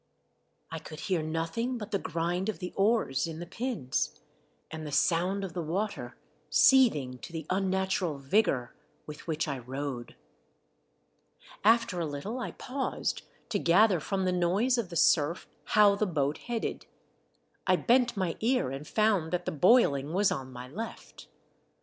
I could hear nothing but the grind of the oars in the pins, and the sound of the water seething to the unnatural vigour with which I rowed. After a little I paused to gather from the noise of the surf how the boat headed. I bent my ear and found that the boiling was on my left.